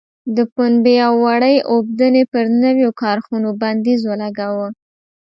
د پنبې او وړۍ اوبدنې پر نویو کارخونو بندیز ولګاوه.